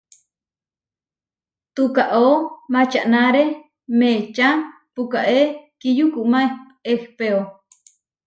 Tukaó mačanáre meečá pukaé kiyukumá ehpéo.